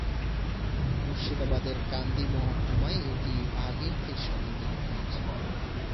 মুর্শিদাবাদের কান্দি মহকুমায় এটি ভাগীরথীর সঙ্গে মিলিত হয়েছে।